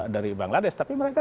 dari bangladesh tapi mereka